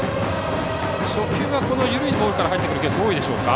初球は緩いボールから入ってくること多いでしょうか。